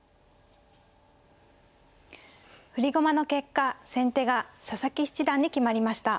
振り駒の結果先手が佐々木七段に決まりました。